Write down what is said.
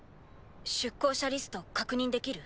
出港者リスト確認できる？